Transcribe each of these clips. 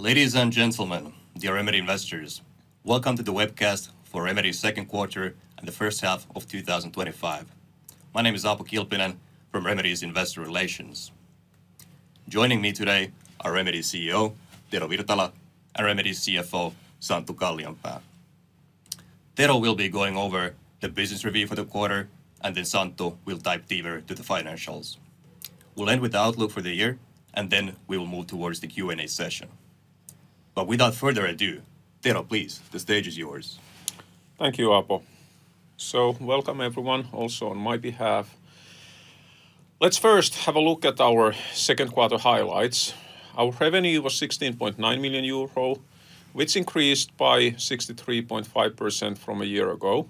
Ladies and gentlemen, dear Remedy investors, welcome to the Webcast for Remedy's Second Quarter in the First Half of 2025. My name is Aapo Kilpinen from Remedy's investor relations. Joining me today are Remedy CEO Tero Virtala and Remedy CFO Santtu Kallionpää. Tero will be going over the business review for the quarter, and Santtu will dive deeper into the financials. We'll end with the outlook for the year, and then we'll move towards the Q&A session. Without further ado, Tero, please, the stage is yours. Thank you, Aapo. Welcome everyone, also on my behalf. Let's first have a look at our second quarter highlights. Our revenue was 16.9 million euro, which increased by 63.5% from a year ago.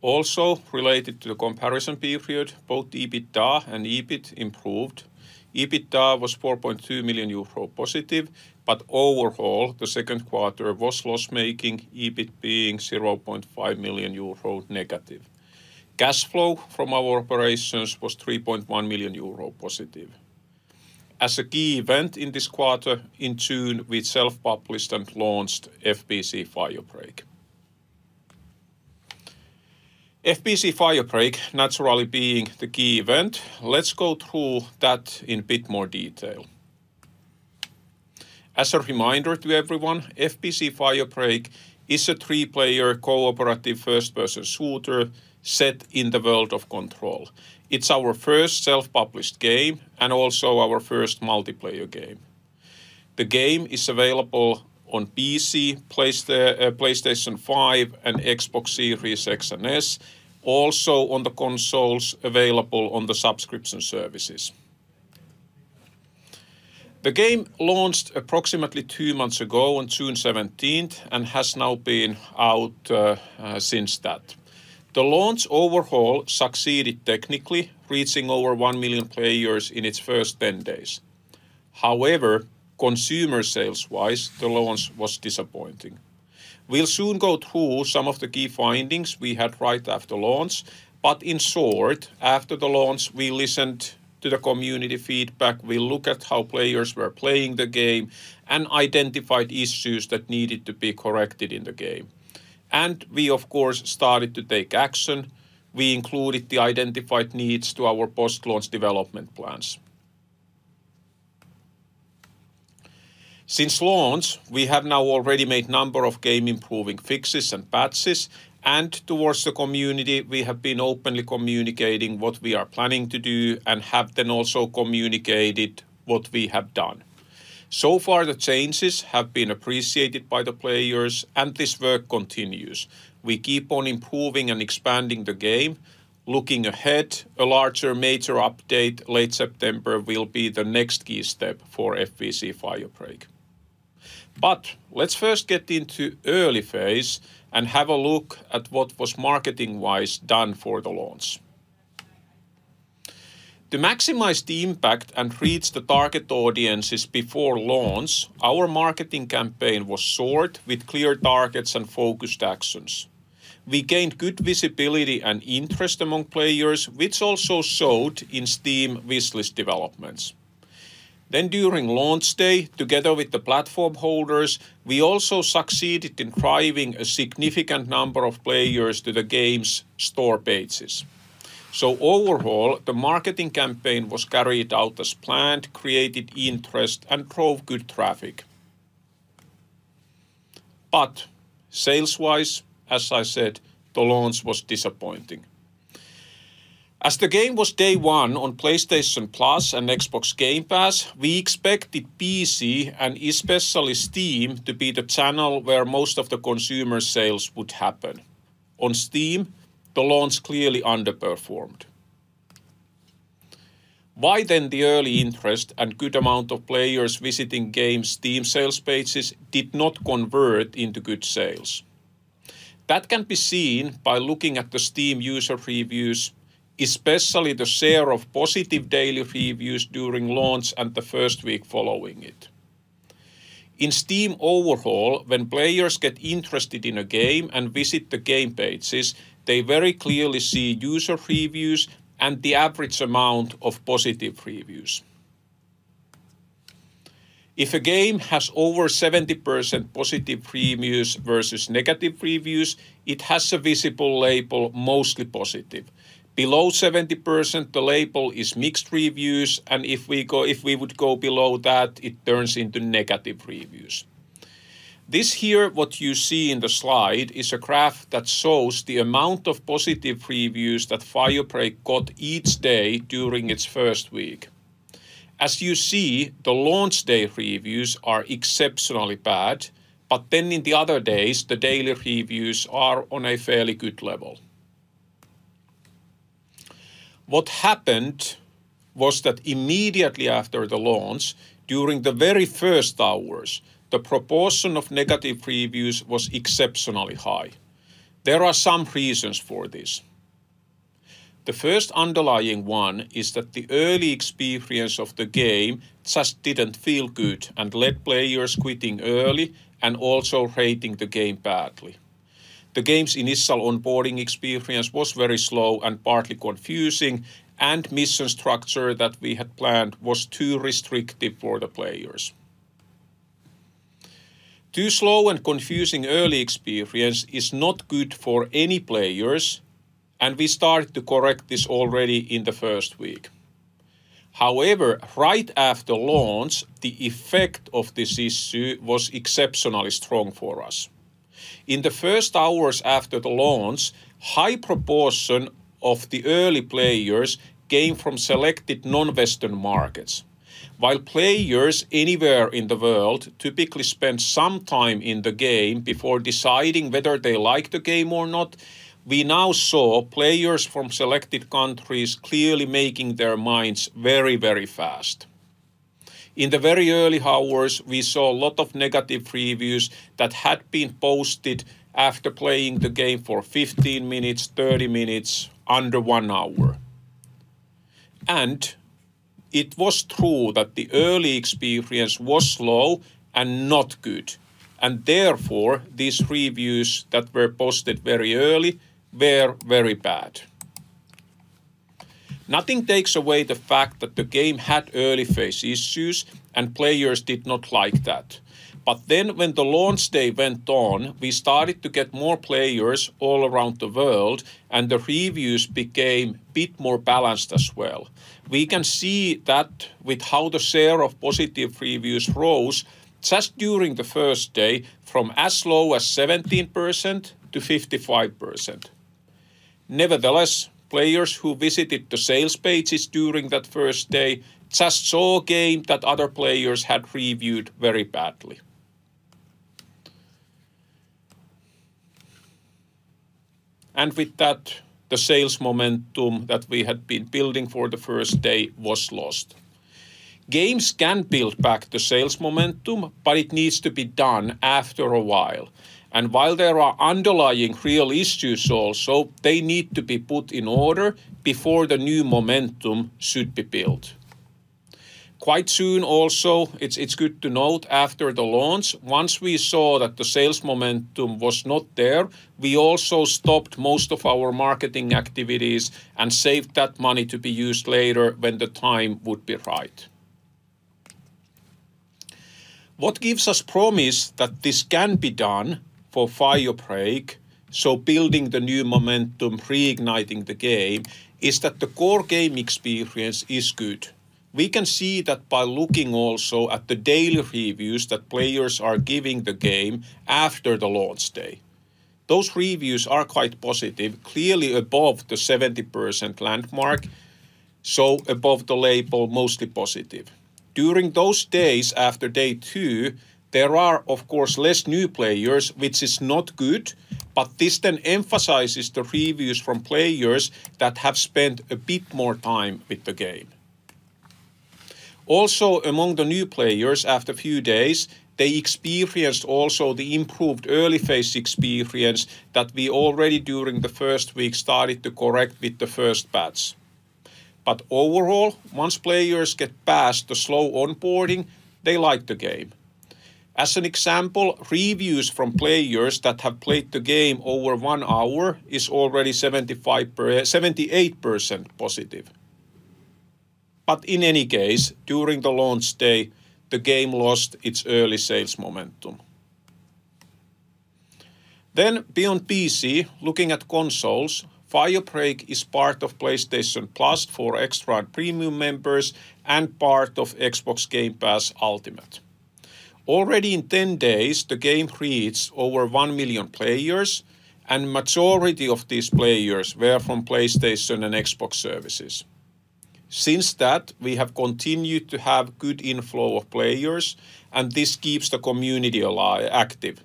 Also, related to the comparison period, both EBITDA and EBIT improved. EBITDA was +4.2 million euro, but overall, the second quarter was loss-making, EBIT being –0.5 million euro. Cash flow from our operations was +3.1 million euro. As a key event in this quarter, in tune with self-published and launched FBC: Firebreak. FBC: Firebreak, naturally being the key event, let's go through that in a bit more detail. As a reminder to everyone, FBC: Firebreak is a three-player cooperative first-person shooter set in the world of Control. It's our first self-published game and also our first multiplayer game. The game is available on PC, PlayStation 5, and Xbox Series X and S, also on the consoles available on the subscription services. The game launched approximately two months ago on June 17th and has now been out since that. The launch overall succeeded technically, reaching over one million players in its first 10 days. However, consumer sales-wise, the launch was disappointing. We'll soon go through some of the key findings we had right after launch, but in short, after the launch, we listened to the community feedback, we looked at how players were playing the game, and identified issues that needed to be corrected in the game. We, of course, started to take action. We included the identified needs to our post-launch development plans. Since launch, we have now already made a number of game-improving fixes and patches, and towards the community, we have been openly communicating what we are planning to do and have then also communicated what we have done. So far, the changes have been appreciated by the players, and this work continues. We keep on improving and expanding the game. Looking ahead, a larger major update late September will be the next key step for FBC: Firebreak. Let's first get into the early phase and have a look at what was marketing-wise done for the launch. To maximize the impact and reach the target audiences before launch, our marketing campaign was soared with clear targets and focused actions. We gained good visibility and interest among players, which also showed in Steam wishlist developments. During launch day, together with the platform holders, we also succeeded in driving a significant number of players to the game's store pages. Overall, the marketing campaign was carried out as planned, created interest, and drove good traffic. Sales-wise, as I said, the launch was disappointing. As the game was day one on PlayStation Plus and Xbox Game Pass, we expected PC and especially Steam to be the channel where most of the consumer sales would happen. On Steam, the launch clearly underperformed. By then, the early interest and good amount of players visiting game Steam sales pages did not convert into good sales. That can be seen by looking at the Steam user reviews, especially the share of positive daily reviews during launch and the first week following it. In Steam overall, when players get interested in a game and visit the game pages, they very clearly see user reviews and the average amount of positive reviews. If a game has over 70% positive reviews versus negative reviews, it has a visible label "mostly positive." Below 70%, the label is "mixed reviews," and if we would go below that, it turns into "negative reviews." This here, what you see in the slide, is a graph that shows the amount of positive reviews that Firebreak got each day during its first week. As you see, the launch day reviews are exceptionally bad, but in the other days, the daily reviews are on a fairly good level. What happened was that immediately after the launch, during the very first hours, the proportion of negative reviews was exceptionally high. There are some reasons for this. The first underlying one is that the early experience of the game just didn't feel good and led players quitting early and also rating the game badly. The game's initial onboarding experience was very slow and partly confusing, and the mission structure that we had planned was too restrictive for the players. Too slow and confusing early experience is not good for any players, and we started to correct this already in the first week. However, right after launch, the effect of this issue was exceptionally strong for us. In the first hours after the launch, a high proportion of the early players came from selected non-Western markets. While players anywhere in the world typically spend some time in the game before deciding whether they like the game or not, we now saw players from selected countries clearly making their minds very, very fast. In the very early hours, we saw a lot of negative reviews that had been posted after playing the game for 15 minutes, 30 minutes, under one hour. It was true that the early experience was slow and not good, and therefore, these reviews that were posted very early were very bad. Nothing takes away the fact that the game had early phase issues, and players did not like that. When the launch day went on, we started to get more players all around the world, and the reviews became a bit more balanced as well. We can see that with how the share of positive reviews rose just during the first day from as low as 17%-55%. Nevertheless, players who visited the sales pages during that first day just saw a game that other players had reviewed very badly. With that, the sales momentum that we had been building for the first day was lost. Games can build back the sales momentum, but it needs to be done after a while. While there are underlying real issues also, they need to be put in order before the new momentum should be built. Quite soon also, it's good to note after the launch, once we saw that the sales momentum was not there, we also stopped most of our marketing activities and saved that money to be used later when the time would be right. What gives us promise that this can be done for Firebreak, so building the new momentum, reigniting the game, is that the core gaming experience is good. We can see that by looking also at the daily reviews that players are giving the game after the launch day. Those reviews are quite positive, clearly above the 70% landmark, so above the label "mostly positive." During those days after day two, there are, of course, less new players, which is not good, but this then emphasizes the reviews from players that have spent a bit more time with the game. Also, among the new players after a few days, they experienced also the improved early phase experience that we already during the first week started to correct with the first patch. Overall, once players get past the slow onboarding, they like the game. As an example, reviews from players that have played the game over one hour are already 78% positive. In any case, during the launch day, the game lost its early sales momentum. Beyond PC, looking at consoles, Firebreak is part of PlayStation Plus for Extra and Premium members and part of Xbox Game Pass Ultimate. Already in 10 days, the game reached over 1 million players, and the majority of these players were from PlayStation and Xbox services. Since that, we have continued to have good inflow of players, and this keeps the community alive and active.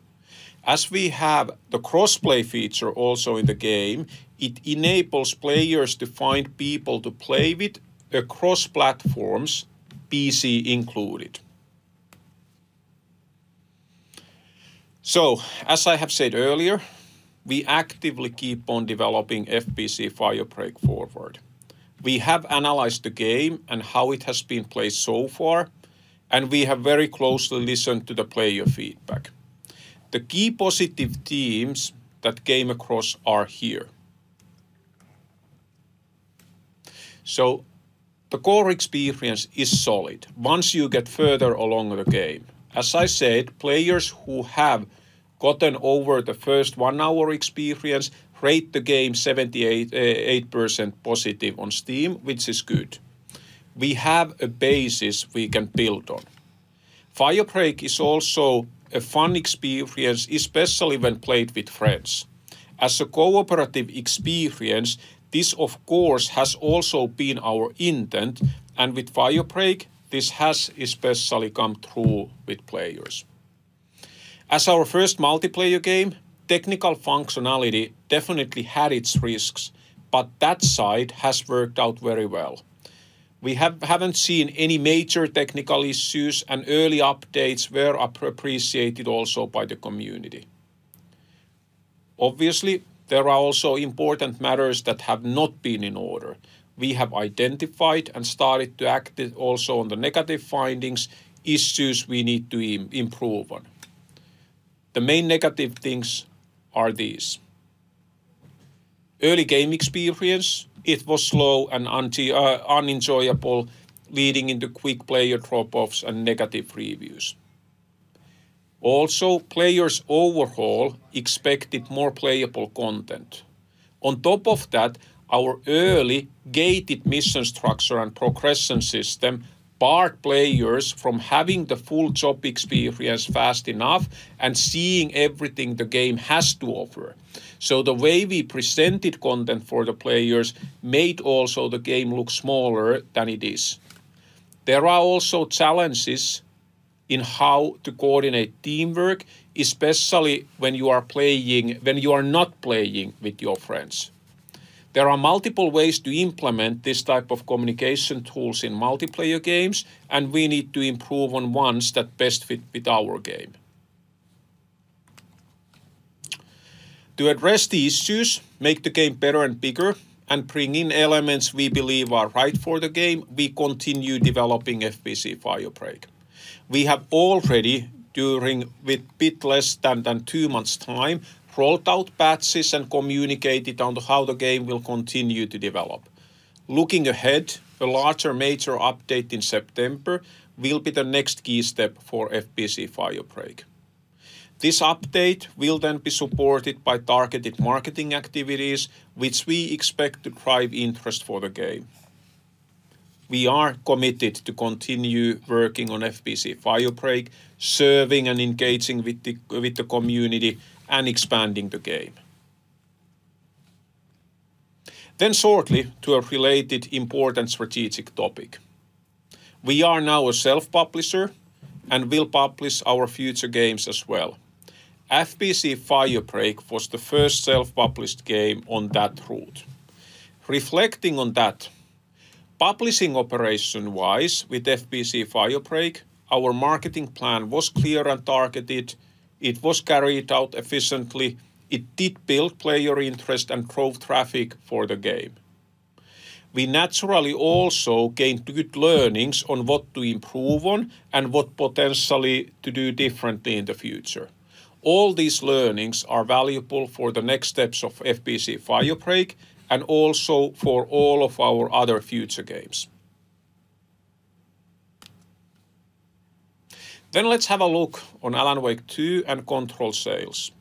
As we have the cross-play feature also in the game, it enables players to find people to play with across platforms, PC included. As I have said earlier, we actively keep on developing FBC: Firebreak forward. We have analyzed the game and how it has been played so far, and we have very closely listened to the player feedback. The key positive themes that came across are here. The core experience is solid once you get further along the game. As I said, players who have gotten over the first one-hour experience rate the game 78% positive on Steam, which is good. We have a basis we can build on. Firebreak is also a fun experience, especially when played with friends. As a cooperative experience, this, of course, has also been our intent, and with Firebreak, this has especially come true with players. As our first multiplayer game, technical functionality definitely had its risks, but that side has worked out very well. We haven't seen any major technical issues, and early updates were appreciated also by the community. Obviously, there are also important matters that have not been in order. We have identified and started to act also on the negative findings, issues we need to improve on. The main negative things are these: early gaming experience, it was slow and unenjoyable, leading into quick player drop-offs and negative reviews. Also, players overall expected more playable content. On top of that, our early gated mission structure and progression system barred players from having the full job experience fast enough and seeing everything the game has to offer. The way we presented content for the players made also the game look smaller than it is. There are also challenges in how to coordinate teamwork, especially when you are not playing with your friends. There are multiple ways to implement this type of communication tools in multiplayer games, and we need to improve on ones that best fit with our game. To address the issues, make the game better and bigger, and bring in elements we believe are right for the game, we continue developing FBC: Firebreak. We have already, during a bit less than two months' time, rolled out patches and communicated on how the game will continue to develop. Looking ahead, a larger major update in September will be the next key step for FBC: Firebreak. This update will then be supported by targeted marketing activities, which we expect to drive interest for the game. We are committed to continue working on FBC: Firebreak, serving and engaging with the community, and expanding the game. Shortly, to a related important strategic topic. We are now a self-publisher and will publish our future games as well. FBC: Firebreak was the first self-published game on that route. Reflecting on that, publishing operation-wise with FBC: Firebreak, our marketing plan was clear and targeted. It was carried out efficiently. It did build player interest and drove traffic for the game. We naturally also gained good learnings on what to improve on and what potentially to do differently in the future. All these learnings are valuable for the next steps of FBC: Firebreak and also for all of our other future games. Let's have a look on Alan Wake 2 and Control sales.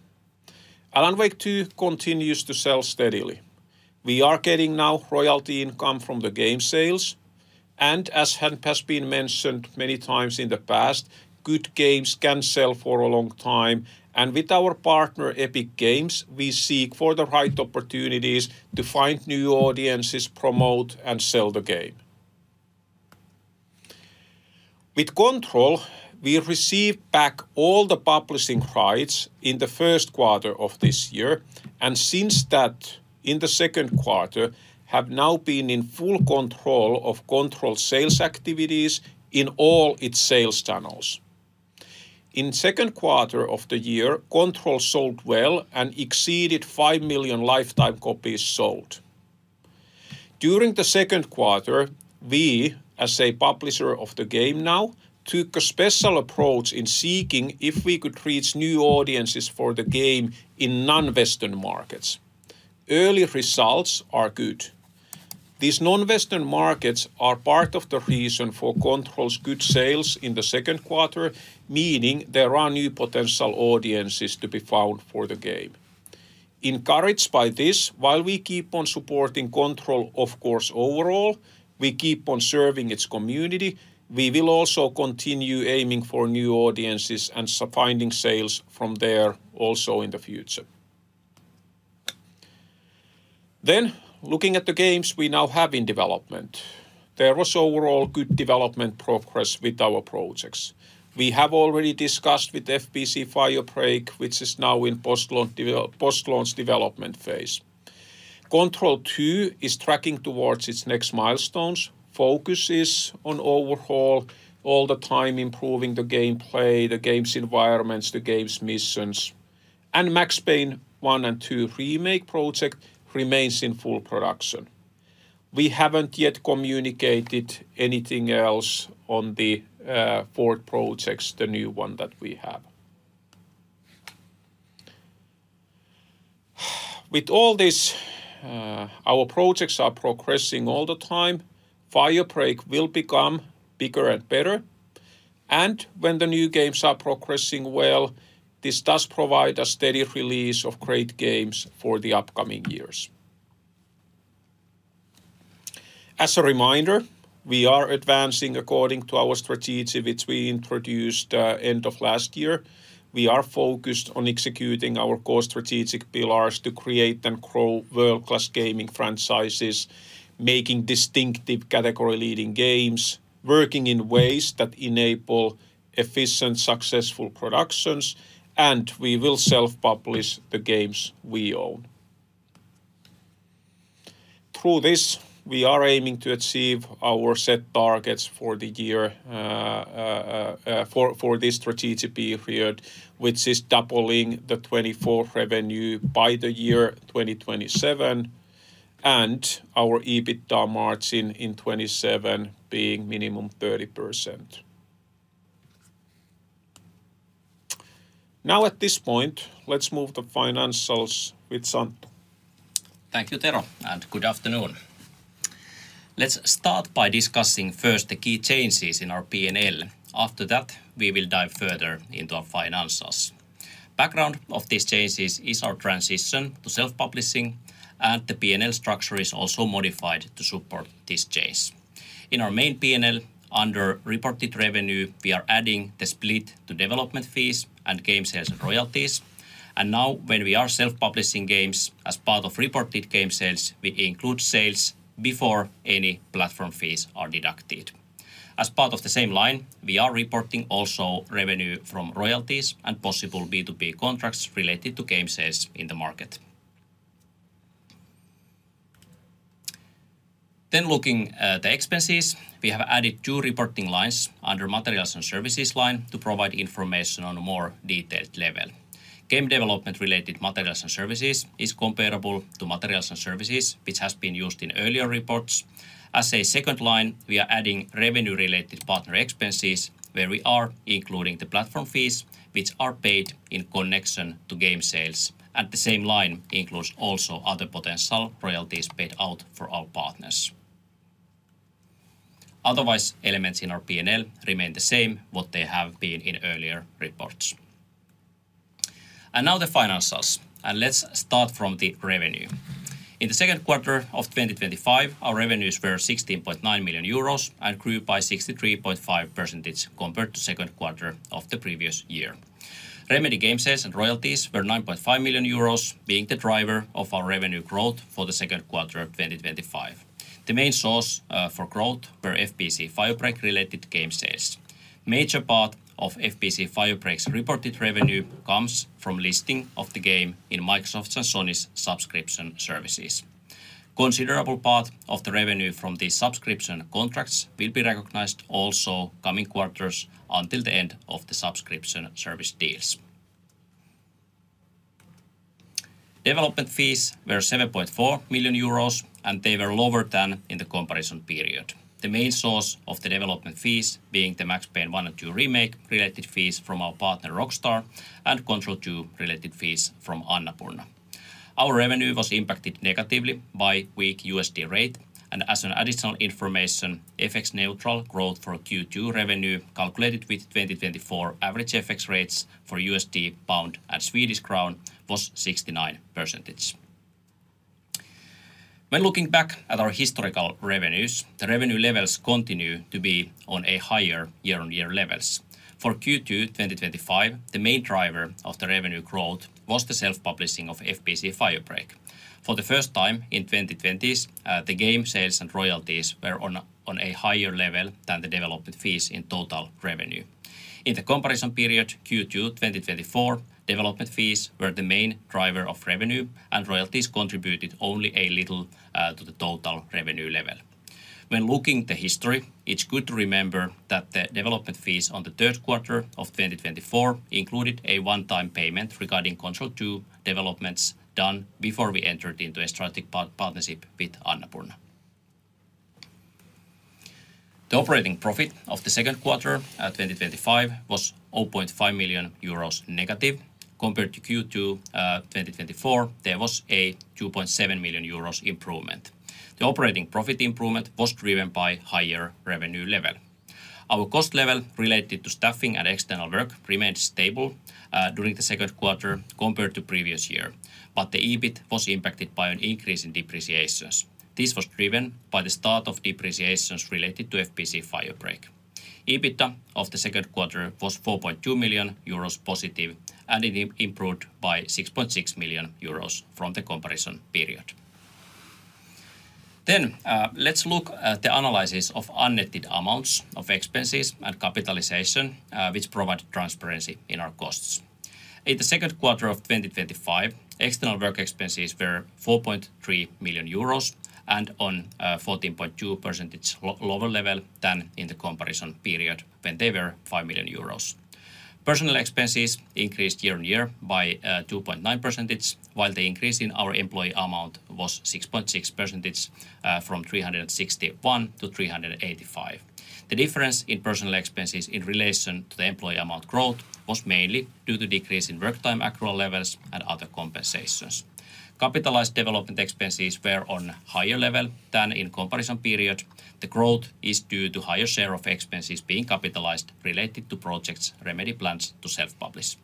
Alan Wake 2 continues to sell steadily. We are getting now royalty income from the game sales, and as has been mentioned many times in the past, good games can sell for a long time. With our partner, Epic Games, we seek for the right opportunities to find new audiences, promote, and sell the game. With Control, we received back all the publishing rights in the first quarter of this year, and since that, in the second quarter, have now been in full control of Control sales activities in all its sales channels. In the second quarter of the year, Control sold well and exceeded 5 million lifetime copies sold. During the second quarter, we, as a publisher of the game now, took a special approach in seeking if we could reach new audiences for the game in non-Western markets. Early results are good. These non-Western markets are part of the reason for Control's good sales in the second quarter, meaning there are new potential audiences to be found for the game. Encouraged by this, while we keep on supporting Control, of course, overall, we keep on serving its community. We will also continue aiming for new audiences and finding sales from there also in the future. Looking at the games we now have in development, there was overall good development progress with our projects. We have already discussed with FBC: Firebreak, which is now in post-launch development phase. Control 2 is tracking towards its next milestones, focuses on overhaul all the time, improving the gameplay, the game's environments, the game's missions, and Max Payne 1 and 2 remake project remains in full production. We haven't yet communicated anything else on the fourth project, the new one that we have. With all this, our projects are progressing all the time. Firebreak will become bigger and better, and when the new games are progressing well, this does provide a steady release of great games for the upcoming years. As a reminder, we are advancing according to our strategy, which we introduced end of last year. We are focused on executing our core strategic pillars to create and grow world-class gaming franchises, making distinctive category-leading games, working in ways that enable efficient, successful productions, and we will self-publish the games we own. Through this, we are aiming to achieve our set targets for the year, for this strategic period, which is doubling the 2024 revenue by the year 2027, level. Game development-related materials and services is comparable to materials and services, which has been used in earlier reports. As a second line, we are adding revenue-related partner expenses where we are including the platform fees, which are paid in connection to game sales. The same line includes also other potential royalties paid out for our partners. Otherwise, elements in our P&L remain the same, what they have been in earlier reports. Now the financials, and let's start from the revenue. In the second quarter of 2025, our revenues were 16.9 million euros and grew by 63.5% compared to the second quarter of the previous year. Remedy game sales and royalties were 9.5 million euros, being the driver of our revenue growth for the second quarter of 2025. The main source for growth were FBC: Firebreak-related game sales. A major part of FBC: Firebreak's reported revenue comes from listing of the game in Microsoft's and Sony's subscription services. A considerable part of the revenue from these subscription contracts will be recognized also coming quarters until the end of the subscription service deals. Development fees were 7.4 million euros, and they were lower than in the comparison period. The main source of the development fees being the Max Payne 1 and 2 remake-related fees from our partner Rockstar and Control 2-related fees from Annapurna. Our revenue was impacted negatively by a weak USD rate, and as an additional information, FX-neutral growth for Q2 revenue calculated with 2024 average FX rates for USD, pound, and Swedish crown was 69%. When looking back at our historical revenues, the revenue levels continue to be on a higher year-on-year level. For Q2 2025, the main driver of the revenue growth was the self-publishing of FBC: Firebreak. For the first time in 2020s, the game sales and royalties were on a higher level than the development fees in total revenue. In the comparison period Q2 2024, development fees were the main driver of revenue, and royalties contributed only a little to the total revenue level. When looking at the history, it's good to remember that the development fees in the third quarter of 2024 included a one-time payment regarding Control 2 developments done before we entered into a strategic partnership with Annapurna. The operating profit of the second quarter of 2025 was –0.5 million euros. Compared to Q2 2024, there was a 2.7 million euros improvement. The operating profit improvement was driven by a higher revenue level. Our cost level related to staffing and external work remained stable during the second quarter compared to the previous year, but the EBITDA was impacted by an increase in depreciations. This was driven by the start of depreciations related to FBC: Firebreak. EBITDA of the second quarter was +4.2 million euros, and it improved by 6.6 million euros from the comparison period. Let's look at the analysis of unnetted amounts of expenses and capitalization, which provide transparency in our costs. In the second quarter of 2025, external work expenses were 4.3 million euros, and on a 14.2% lower level than in the comparison period when they were 5 million euros. Personnel expenses increased year-on-year by 2.9%, while the increase in our employee amount was 6.6% from 361 to 385. The difference in personnel expenses in relation to the employee amount growth was mainly due to a decrease in work time accrual levels and other compensations. Capitalized development expenses were on a higher level than in the comparison period. The growth is due to a higher share of expenses being capitalized related to projects Remedy plans to self-publish.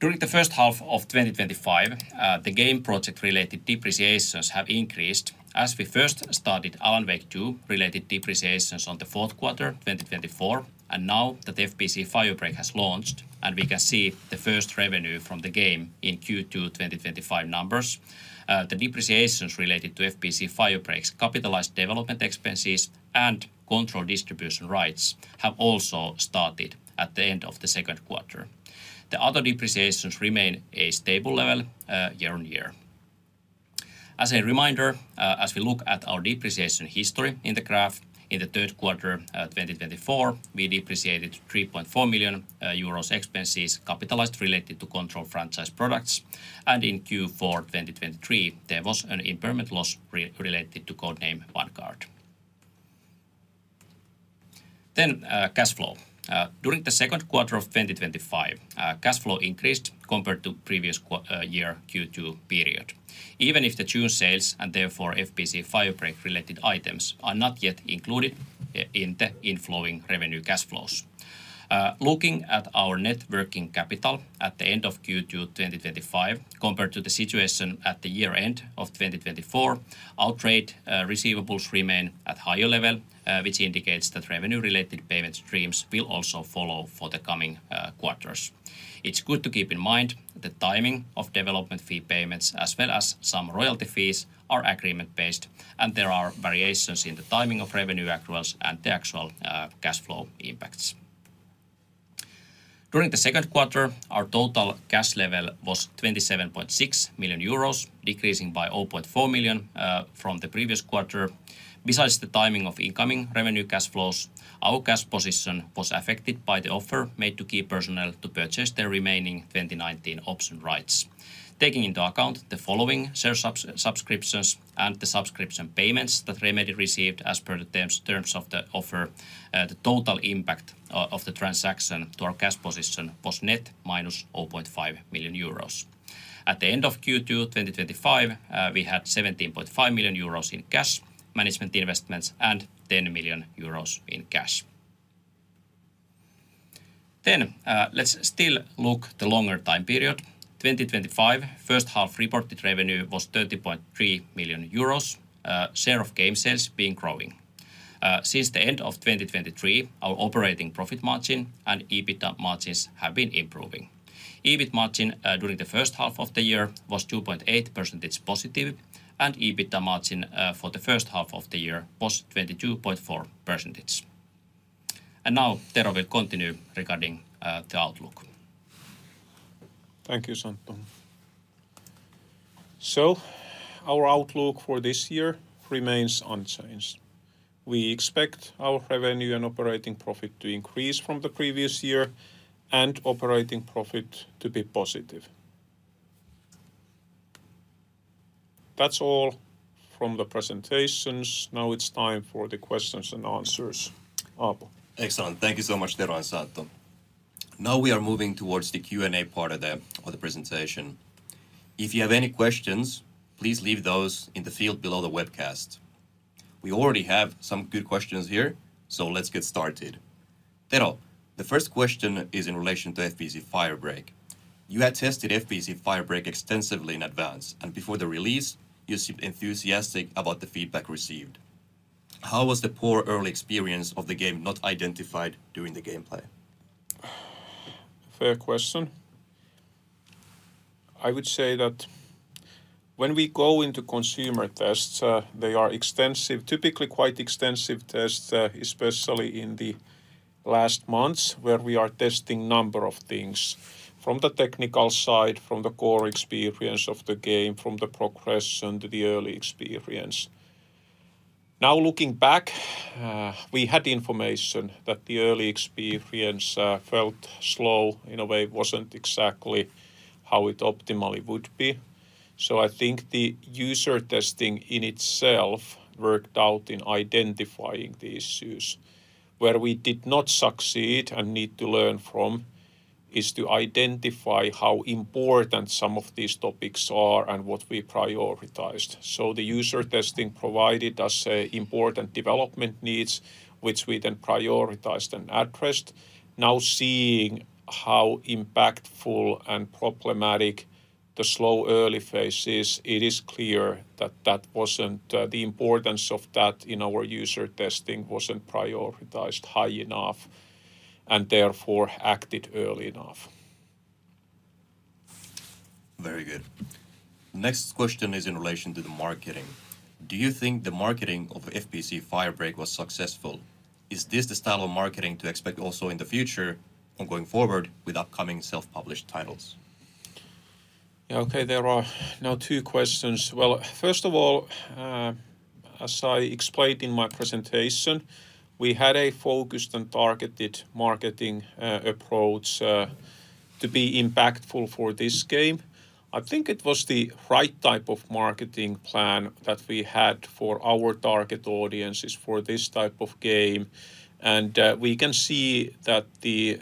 During the first half of 2025, the game project-related depreciations have increased as we first started Alan Wake 2 related depreciations in the fourth quarter of 2024, and now that FBC: Firebreak has launched, we can see the first revenue from the game in Q2 2025 numbers. The depreciations related to FBC: Firebreak's capitalized development expenses and Control distribution rights have also started at the end of the second quarter. The other depreciations remain at a stable level year-on-year. As a reminder, as we look at our depreciation history in the graph, in the third quarter of 2024, we depreciated 3.4 million euros expenses capitalized related to Control franchise products, and in Q4 2023, there was an impairment loss related to codename Vanguard. During the second quarter of 2025, cash flow increased compared to the previous year Q2 period, even if the June sales and therefore FBC: Firebreak-related items are not yet included in the inflowing revenue cash flows. Looking at our net working capital at the end of Q2 2025, compared to the situation at the year end of 2024, our trade receivables remain at a higher level, which indicates that revenue-related payment streams will also follow for the coming quarters. It's good to keep in mind that the timing of development fee payments, as well as some royalty fees, are agreement-based, and there are variations in the timing of revenue accruals and the actual cash flow impacts. During the second quarter, our total cash level was 27.6 million euros, decreasing by 0.4 million from the previous quarter. Besides the timing of incoming revenue cash flows, our cash position was affected by the offer made to key personnel to purchase their remaining 2019 option rights. Taking into account the following: share subscriptions and the subscription payments that Remedy received as per the terms of the offer, the total impact of the transaction to our cash position was net –0.5 million euros. At the end of Q2 2025, we had 17.5 million euros in cash, management investments, and 10 million euros in cash. Let's still look at the longer time period. 2025 first half reported revenue was 30.3 million euros, share of game sales being growing. Since the end of 2023, our operating profit margin and EBITDA margins have been improving. EBIT margin during the first half of the year was 2.8%+, and EBITDA margin for the first half of the year was 22.4%. Now, Tero will continue regarding the outlook. Thank you, Santtu. Our outlook for this year remains unchanged. We expect our revenue and operating profit to increase from the previous year and operating profit to be positive. That's all from the presentations. Now it's time for the questions and answers. Aapo. Excellent. Thank you so much, Tero and Santtu. Now we are moving towards the Q&A part of the presentation. If you have any questions, please leave those in the field below the webcast. We already have some good questions here, so let's get started. Tero, the first question is in relation to FBC: Firebreak. You had tested FBC: Firebreak extensively in advance, and before the release, you seemed enthusiastic about the feedback received. How was the poor early experience of the game not identified during the gameplay? Fair question. I would say that when we go into consumer tests, they are extensive, typically quite extensive tests, especially in the last months where we are testing a number of things from the technical side, from the core experience of the game, from the progression to the early experience. Now, looking back, we had information that the early experience felt slow in a way; it wasn't exactly how it optimally would be. I think the user testing in itself worked out in identifying the issues. Where we did not succeed and need to learn from is to identify how important some of these topics are and what we prioritized. The user testing provided us with important development needs, which we then prioritized and addressed. Now, seeing how impactful and problematic the slow early phase is, it is clear that the importance of that in our user testing wasn't prioritized high enough and therefore acted early enough. Very good. Next question is in relation to the marketing. Do you think the marketing of FBC: Firebreak was successful? Is this the style of marketing to expect also in the future or going forward with upcoming self-published titles? Okay, there are now two questions. As I explained in my presentation, we had a focused and targeted marketing approach to be impactful for this game. I think it was the right type of marketing plan that we had for our target audiences for this type of game. We can see that the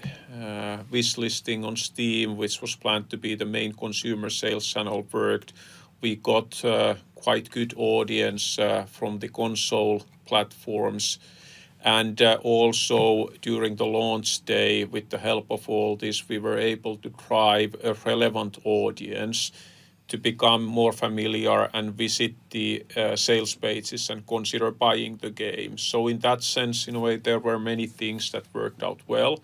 wishlisting on Steam, which was planned to be the main consumer sales channel, worked. We got quite a good audience from the console platforms. Also, during the launch day, with the help of all this, we were able to drive a relevant audience to become more familiar and visit the sales pages and consider buying the game. In that sense, in a way, there were many things that worked out well.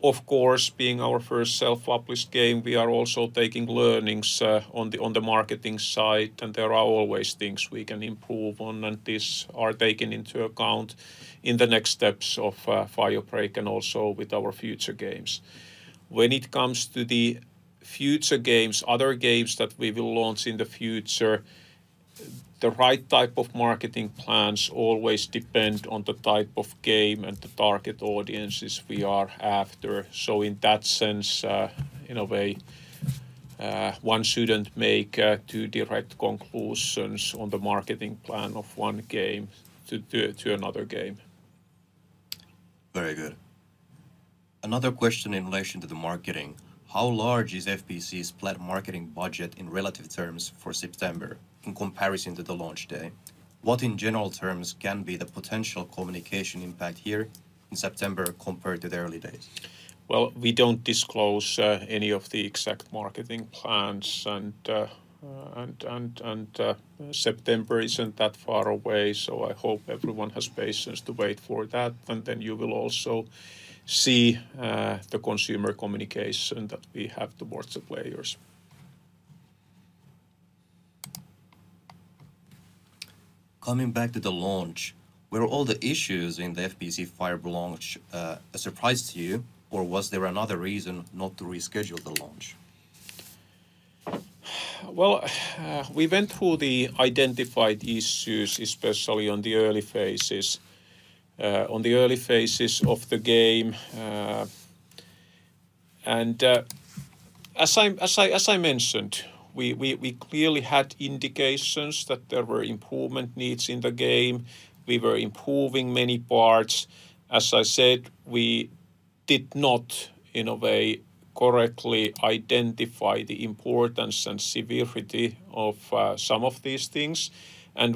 Of course, being our first self-published game, we are also taking learnings on the marketing side, and there are always things we can improve on, and these are taken into account in the next steps of Firebreak and also with our future games. When it comes to the future games, other games that we will launch in the future, the right type of marketing plans always depend on the type of game and the target audiences we are after. In that sense, in a way, one shouldn't make too direct conclusions on the marketing plan of one game to another game. Very good. Another question in relation to the marketing. How large is FBC's planned marketing budget in relative terms for September in comparison to the launch day? What in general terms can be the potential communication impact here in September compared to the early days? We don't disclose any of the exact marketing plans, and September isn't that far away. I hope everyone has patience to wait for that, and you will also see the consumer communication that we have towards the players. Coming back to the launch, were all the issues in the FBC: Firebreak launch a surprise to you, or was there another reason not to reschedule the launch? We went through the identified issues, especially on the early phases of the game. As I mentioned, we clearly had indications that there were improvement needs in the game. We were improving many parts. As I said, we did not, in a way, correctly identify the importance and severity of some of these things.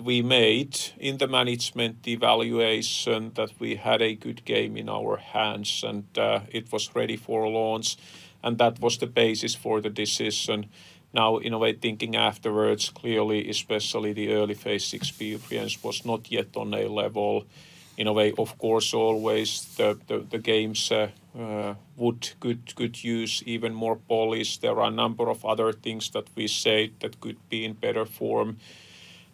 We made in the management evaluation that we had a good game in our hands, and it was ready for a launch, and that was the basis for the decision. In a way, thinking afterwards, clearly, especially the early phase experience was not yet on a level. Of course, always the games could use even more polish. There are a number of other things that we said that could be in better form.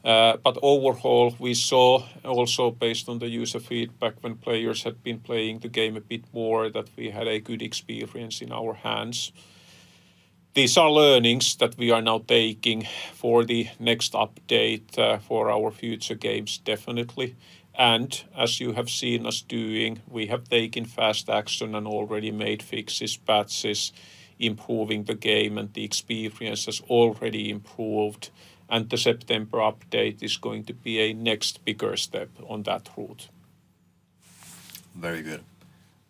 Overall, we saw, also based on the user feedback when players had been playing the game a bit more, that we had a good experience in our hands. These are learnings that we are now taking for the next update for our future games, definitely. As you have seen us doing, we have taken fast action and already made fixes, patches, improving the game, and the experience has already improved. The September update is going to be a next bigger step on that route. Very good.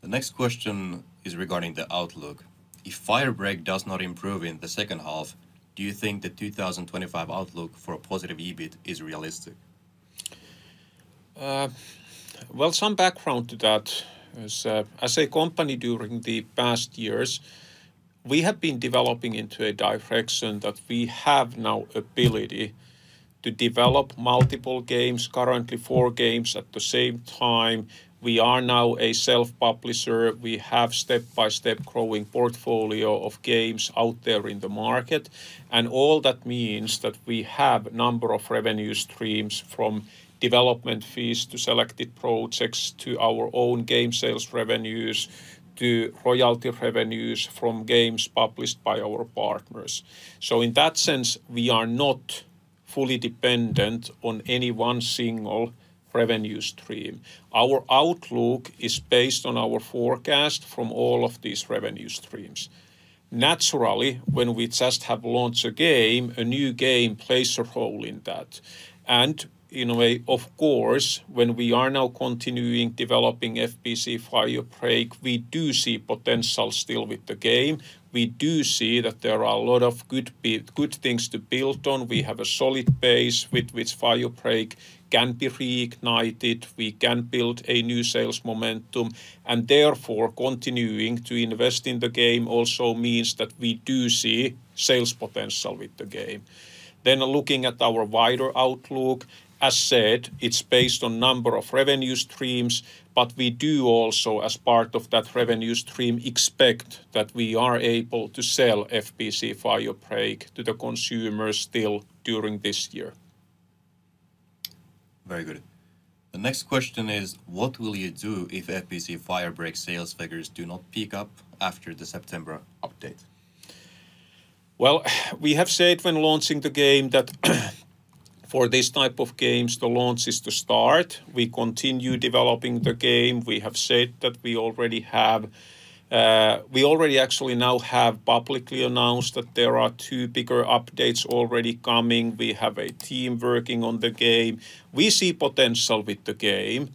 The next question is regarding the outlook. If Firebreak does not improve in the second half, do you think the 2025 outlook for a positive EBIT is realistic? As a company during the past years, we have been developing into a direction that we have now the ability to develop multiple games, currently four games at the same time. We are now a self-publisher. We have a step-by-step growing portfolio of games out there in the market. All that means that we have a number of revenue streams from development fees to selected projects to our own game sales revenues to royalty revenues from games published by our partners. In that sense, we are not fully dependent on any one single revenue stream. Our outlook is based on our forecast from all of these revenue streams. Naturally, when we just have launched a game, a new game plays a role in that. In a way, of course, when we are now continuing developing FBC: Firebreak, we do see potential still with the game. We do see that there are a lot of good things to build on. We have a solid base with which Firebreak can be reignited. We can build a new sales momentum. Therefore, continuing to invest in the game also means that we do see sales potential with the game. Looking at our wider outlook, as said, it's based on a number of revenue streams, but we do also, as part of that revenue stream, expect that we are able to sell FBC: Firebreak to the consumers still during this year. Very good. The next question is, what will you do if FBC: Firebreak sales figures do not pick up after the September update? We have said when launching the game that for this type of games, the launch is the start. We continue developing the game. We have said that we already actually now have publicly announced that there are two bigger updates already coming. We have a team working on the game. We see potential with the game,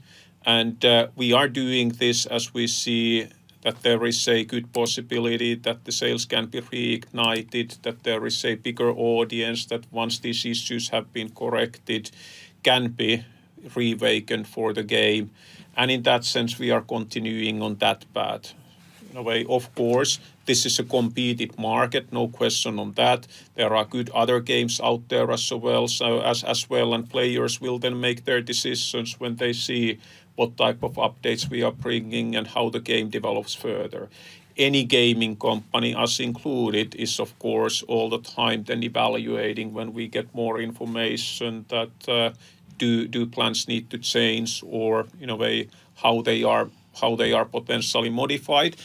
and we are doing this as we see that there is a good possibility that the sales can be reignited, that there is a bigger audience that once these issues have been corrected, can be reawakened for the game. In that sense, we are continuing on that path. Of course, this is a competitive market, no question on that. There are good other games out there as well, and players will then make their decisions when they see what type of updates we are bringing and how the game develops further. Any gaming company, us included, is of course all the time then evaluating when we get more information that do plans need to change or in a way how they are potentially modified.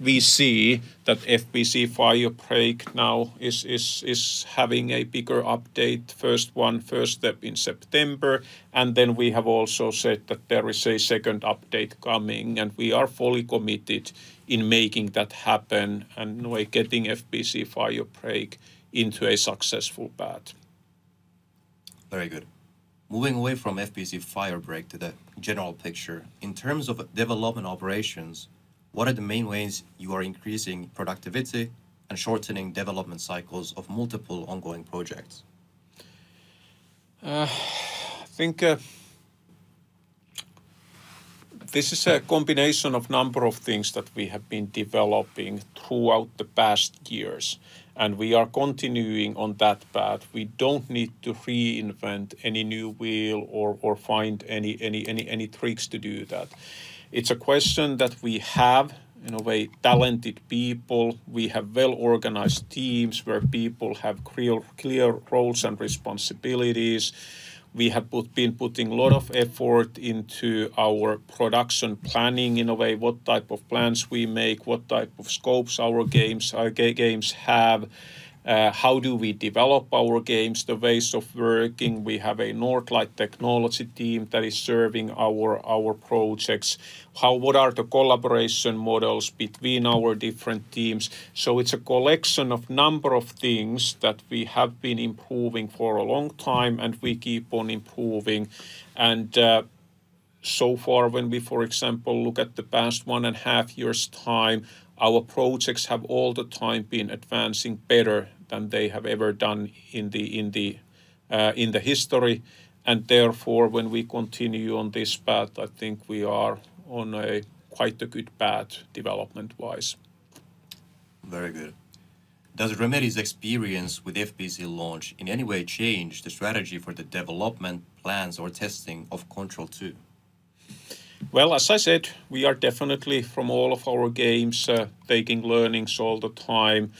We see that FBC: Firebreak now is having a bigger update, first one, first step in September. We have also said that there is a second update coming, and we are fully committed in making that happen and getting FBC: Firebreak into a successful path. Very good. Moving away from FBC: Firebreak to the general picture, in terms of development operations, what are the main ways you are increasing productivity and shortening development cycles of multiple ongoing projects? I think this is a combination of a number of things that we have been developing throughout the past years, and we are continuing on that path. We don't need to reinvent any new wheel or find any tricks to do that. It's a question that we have in a way talented people. We have well-organized teams where people have clear roles and responsibilities. We have been putting a lot of effort into our production planning, in a way, what type of plans we make, what type of scopes our games have, how do we develop our games, the ways of working. We have a Northlight technology team that is serving our projects. What are the collaboration models between our different teams? It is a collection of a number of things that we have been improving for a long time, and we keep on improving. For example, when we look at the past one and a half years' time, our projects have all the time been advancing better than they have ever done in the history. Therefore, when we continue on this path, I think we are on quite a good path development-wise. Very good. Does Remedy's experience with FBC launch in any way change the strategy for the development plans or testing of Control 2? As I said, we are definitely, from all of our games, taking learnings all the time.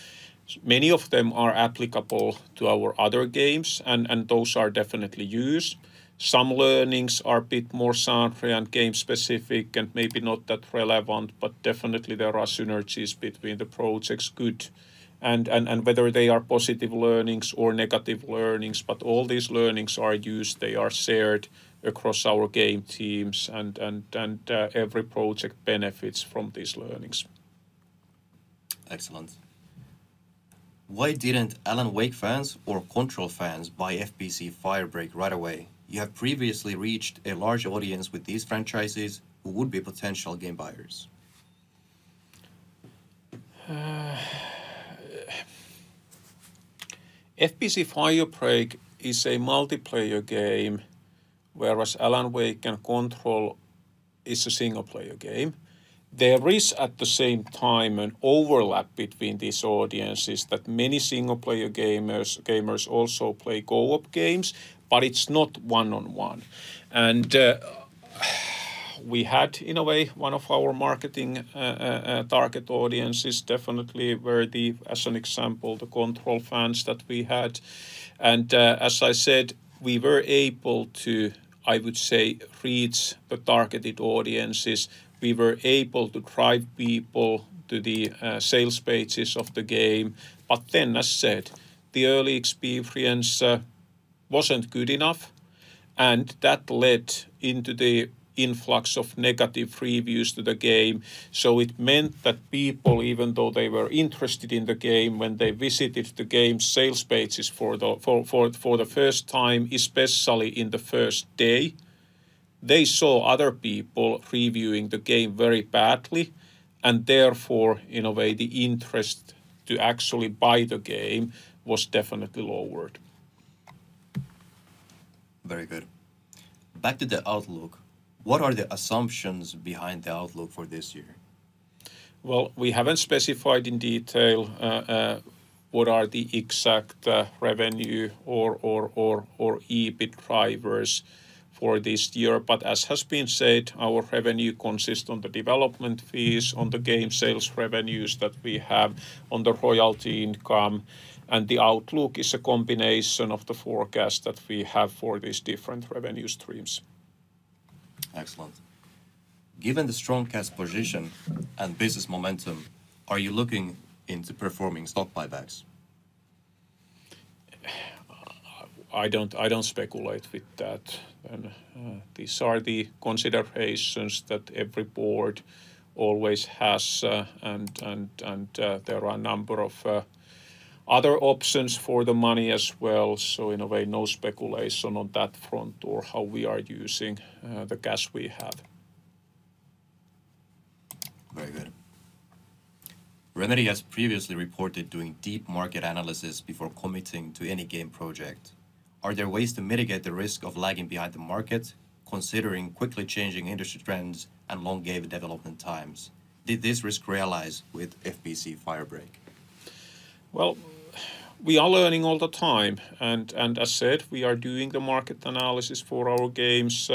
Many of them are applicable to our other games, and those are definitely used. Some learnings are a bit more [sundry] and game-specific and maybe not that relevant, but definitely there are synergies between the projects, good, and whether they are positive learnings or negative learnings. All these learnings are used, they are shared across our game teams, and every project benefits from these learnings. Excellent. Why didn't Alan Wake fans or Control fans buy FBC: Firebreak right away? You have previously reached a large audience with these franchises who would be potential game buyers. FBC: Firebreak is a multiplayer game, whereas Alan Wake and Control are single-player games. There is, at the same time, an overlap between these audiences that many single-player gamers also play co-op games, but it's not one-on-one. We had, in a way, one of our marketing target audiences definitely were the, as an example, the Control fans that we had. As I said, we were able to, I would say, reach the targeted audiences. We were able to drive people to the sales pages of the game. The early experience wasn't good enough, and that led into the influx of negative reviews to the game. It meant that people, even though they were interested in the game when they visited the game's sales pages for the first time, especially in the first day, they saw other people reviewing the game very badly. Therefore, in a way, the interest to actually buy the game was definitely lowered. Very good. Back to the outlook, what are the assumptions behind the outlook for this year? We haven't specified in detail what are the exact revenue or EBIT drivers for this year. As has been said, our revenue consists of the development fees, the game sales revenues that we have, and the royalty income. The outlook is a combination of the forecast that we have for these different revenue streams. Excellent. Given the strong cash position and business momentum, are you looking into performing stock buybacks? I don't speculate with that. These are the considerations that every board always has, and there are a number of other options for the money as well. In a way, no speculation on that front or how we are using the cash we have. Very good. Remedy has previously reported doing deep market analysis before committing to any game project. Are there ways to mitigate the risk of lagging behind the market, considering quickly changing industry trends and long game development times? Did this risk realize with FBC: Firebreak? We are learning all the time. As I said, we are doing the market analysis for our games,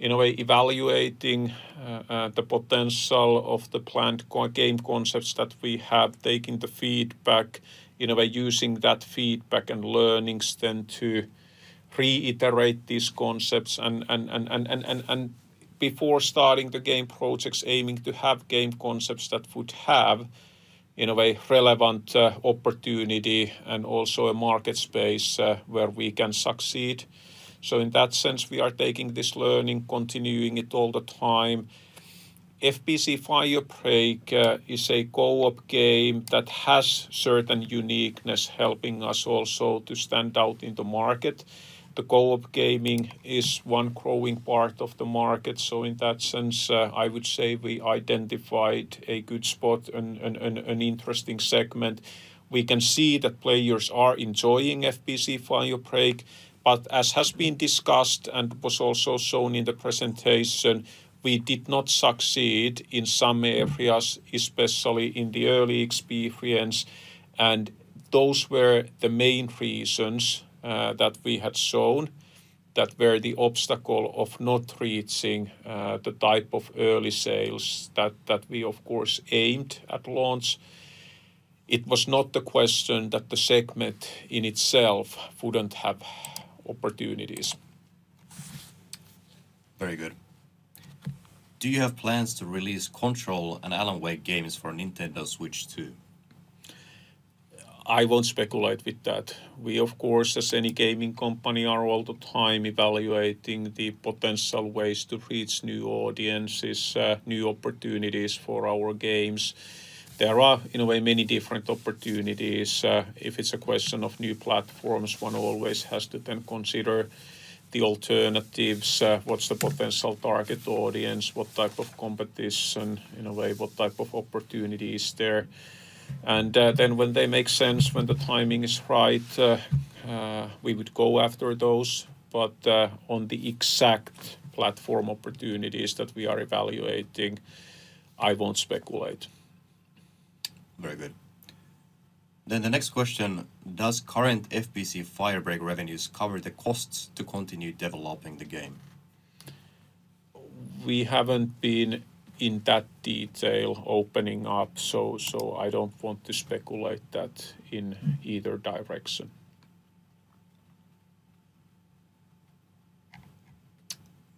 evaluating the potential of the planned game concepts that we have, taking the feedback, using that feedback and learnings to reiterate these concepts. Before starting the game projects, we aim to have game concepts that would have relevant opportunity and also a market space where we can succeed. In that sense, we are taking this learning and continuing it all the time. FBC: Firebreak is a co-op game that has certain uniqueness, helping us also to stand out in the market. The co-op gaming is one growing part of the market. In that sense, I would say we identified a good spot and an interesting segment. We can see that players are enjoying FBC: Firebreak. As has been discussed and was also shown in the presentation, we did not succeed in some areas, especially in the early experience. Those were the main reasons that we had shown that were the obstacle of not reaching the type of early sales that we, of course, aimed at launch. It was not the question that the segment in itself wouldn't have opportunities. Very good. Do you have plans to release Control and Alan Wake games for Nintendo Switch 2? I won't speculate with that. We, of course, as any gaming company, are all the time evaluating the potential ways to reach new audiences, new opportunities for our games. There are, in a way, many different opportunities. If it's a question of new platforms, one always has to then consider the alternatives. What's the potential target audience? What type of competition? In a way, what type of opportunity is there? When they make sense, when the timing is right, we would go after those. On the exact platform opportunities that we are evaluating, I won't speculate. Very good. The next question, does current FBC: Firebreak revenues cover the costs to continue developing the game? We haven't been in that detail opening up, so I don't want to speculate that in either direction.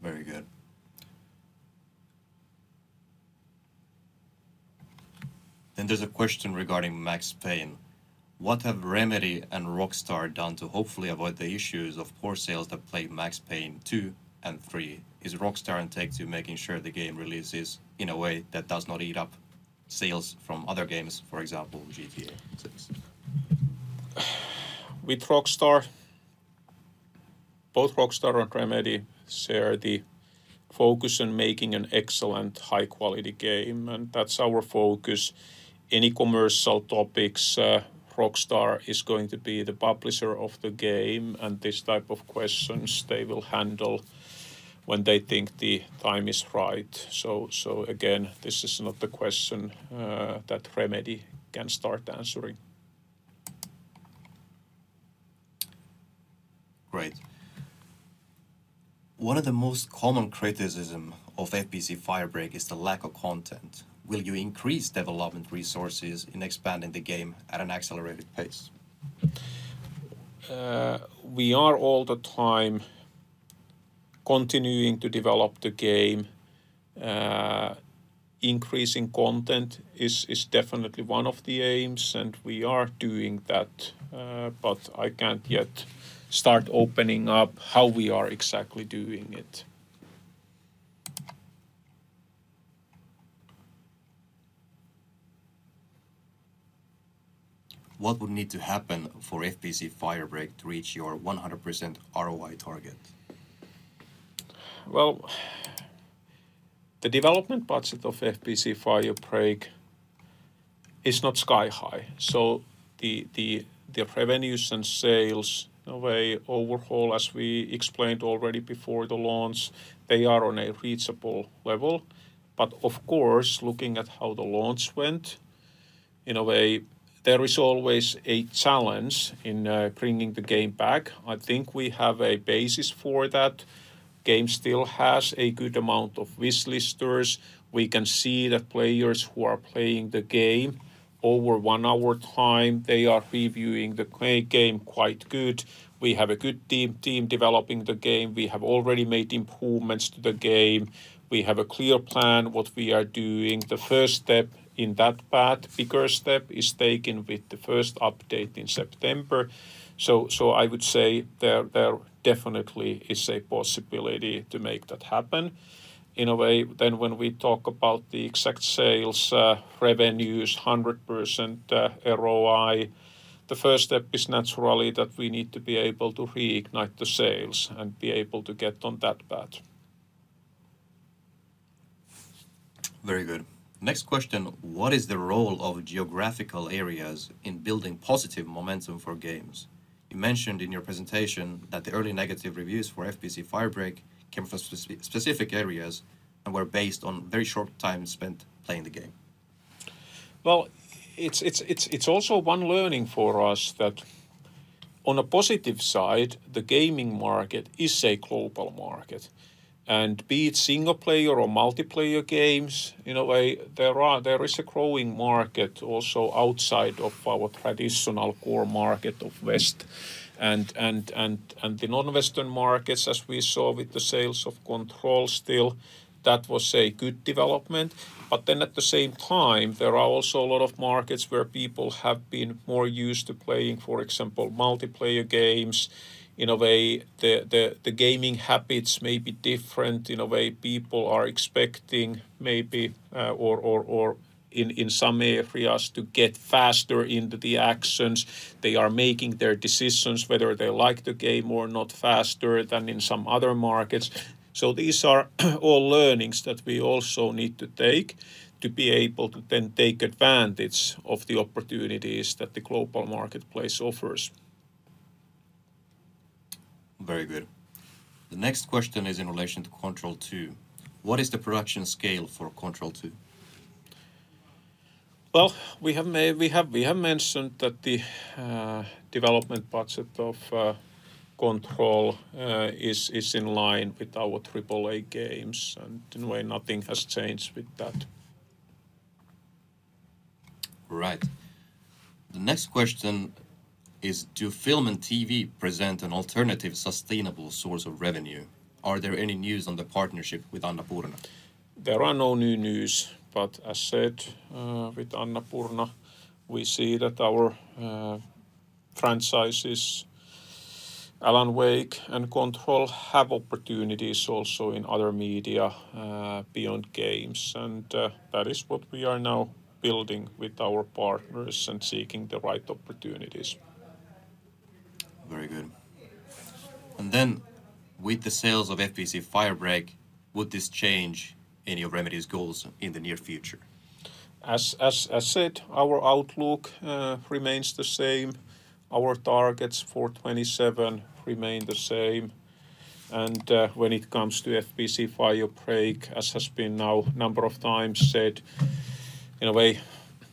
Very good. There's a question regarding Max Payne. What have Remedy and Rockstar done to hopefully avoid the issues of core sales that plagued Max Payne 2 and 3? Is Rockstar intent on making sure the game releases in a way that does not eat up sales from other games, for example, GTA? With Rockstar, both Rockstar and Remedy share the focus on making an excellent, high-quality game, and that's our focus. Any commercial topics, Rockstar is going to be the publisher of the game, and this type of questions they will handle when they think the time is right. This is not the question that Remedy can start answering. Great. One of the most common criticisms of FBC: Firebreak is the lack of content. Will you increase development resources in expanding the game at an accelerated pace? We are all the time continuing to develop the game. Increasing content is definitely one of the aims, and we are doing that, but I can't yet start opening up how we are exactly doing it. What would need to happen for FBC: Firebreak to reach your 100% ROI target? The development budget of FBC: Firebreak is not sky-high. The revenues and sales, in a way, overall, as we explained already before the launch, are on a reachable level. Of course, looking at how the launch went, in a way, there is always a challenge in bringing the game back. I think we have a basis for that. The game still has a good amount of wishlisters. We can see that players who are playing the game over one-hour time are reviewing the game quite good. We have a good team developing the game. We have already made improvements to the game. We have a clear plan what we are doing. The first step in that path, the bigger step, is taken with the first update in September. I would say there definitely is a possibility to make that happen. In a way, when we talk about the exact sales revenues, 100% ROI, the first step is naturally that we need to be able to reignite the sales and be able to get on that path. Very good. Next question, what is the role of geographical areas in building positive momentum for games? You mentioned in your presentation that the early negative reviews for FBC: Firebreak came from specific areas and were based on a very short time spent playing the game. It is also one learning for us that on a positive side, the gaming market is a global market. Be it single-player or multiplayer games, in a way, there is a growing market also outside of our traditional core market of West. The non-Western markets, as we saw with the sales of Control still, that was a good development. At the same time, there are also a lot of markets where people have been more used to playing, for example, multiplayer games. In a way, the gaming habits may be different. In a way, people are expecting maybe, or in some areas, to get faster into the actions. They are making their decisions whether they like the game or not faster than in some other markets. These are all learnings that we also need to take to be able to then take advantage of the opportunities that the global marketplace offers. Very good. The next question is in relation to Control 2. What is the production scale for Control 2? The development budget of Control is in line with our AAA games, and in a way, nothing has changed with that. Right. The next question is, do film and TV present an alternative sustainable source of revenue? Are there any news on the partnership with Annapurna? There are no new news, but as I said, with Annapurna, we see that our franchises, Alan Wake and Control, have opportunities also in other media beyond games. That is what we are now building with our partners and seeking the right opportunities. Very good. With the sales of FBC: Firebreak, would this change any of Remedy's goals in the near future? As I said, our outlook remains the same. Our targets for 2027 remain the same. When it comes to FBC: Firebreak, as has been now a number of times said, in a way,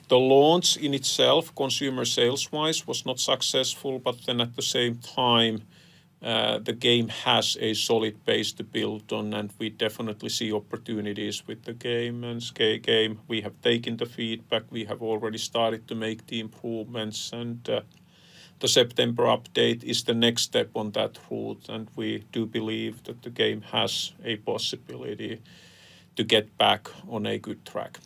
the launch in itself, consumer sales-wise, was not successful. At the same time, the game has a solid base to build on, and we definitely see opportunities with the game and [stacked game]. We have taken the feedback. We have already started to make the improvements, and the September update is the next step on that route. We do believe that the game has a possibility to get back on a good track.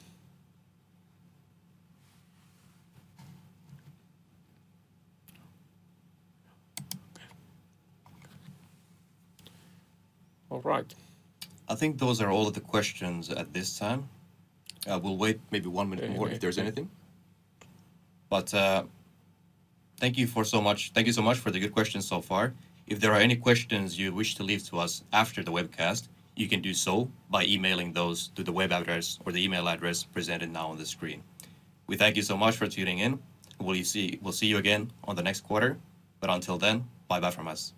All right. I think those are all of the questions at this time. We'll wait maybe one minute more if there's anything. Thank you so much for the good questions so far. If there are any questions you wish to leave to us after the webcast, you can do so by emailing those to the web address or the email address presented now on the screen. We thank you so much for tuning in. We'll see you again on the next quarter. Until then, bye-bye from us.